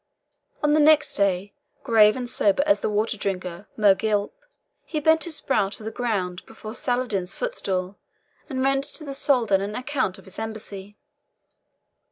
On the next day, grave and sober as the water drinker Mirglip, he bent his brow to the ground before Saladin's footstool, and rendered to the Soldan an account of his embassy.